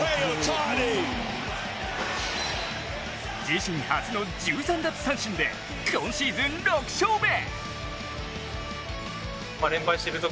自身初の１３奪三振で今シーズン６勝目。